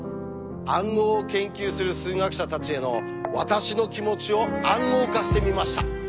暗号を研究する数学者たちへの私の気持ちを暗号化してみました。